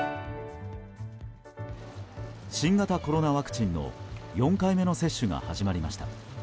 新型コロナワクチンの４回目の接種が始まりました。